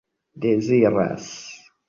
deziras